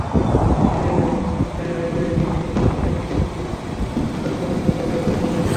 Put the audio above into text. চীনের সাংহাইয়ের Dragon TV মাইক্রোসফটের কৃত্রিম বুদ্ধিমত্তাসম্পন্ন একটি সফটওয়্যারকে আবহাওয়া প্রতিবেদকে দায়িত্ব দিয়েছে।